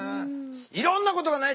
いろんなことがね